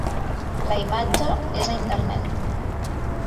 La imatge és a internet.